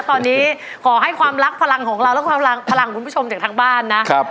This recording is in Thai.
ตอนนี้ขอให้ความรักพลังของเราและความพลังของคุณผู้ชมจากทางบ้านนะครับ